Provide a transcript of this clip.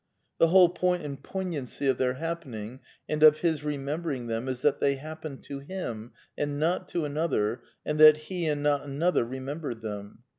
The whole point and poignancy of their happening, and of his remembering them, is that they happened to him, and not to another, and that he and not another remembered them.